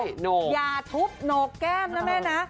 อย่าทุบโหนกแก้มนะแม่นะ